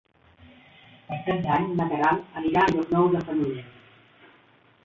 Per Cap d'Any na Queralt anirà a Llocnou d'en Fenollet.